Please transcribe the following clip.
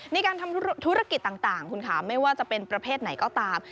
ในการทำธุรกิจต่างคุณค่ะไม่ว่าจะเป็นประเภทไหนก็ตาม